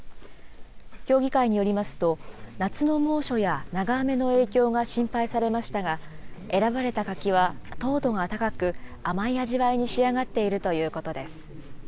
協議会によりますと、夏の猛暑や長雨の影響が心配されましたが、選ばれた柿は糖度が高く、甘い味わいに仕上がっているということです。